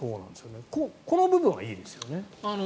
この部分はいいですよね。